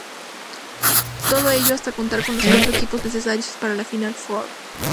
Todo ello hasta contar con los cuatro equipos necesarios para la Final Four.